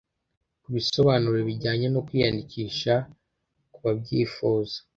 Ku bisobanuro bijyanye no kwiyandikisha ku babyifuza